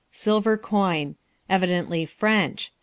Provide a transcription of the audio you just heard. Silver coin. Evidently French.